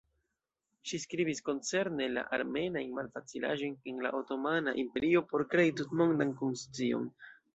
Ŝi skribis koncerne la armenajn malfacilaĵojn en la Otomana Imperio por krei tutmondan konscion.